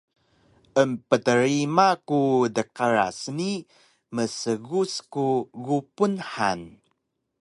Emptrima ku dqras ni msgus ku gupun han